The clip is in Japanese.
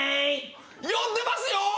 呼んでますよ！